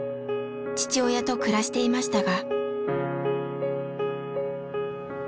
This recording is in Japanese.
父親と暮らしていましたが。